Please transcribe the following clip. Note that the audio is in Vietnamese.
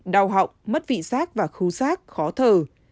đau họng mất vị xác và khu xác khó thở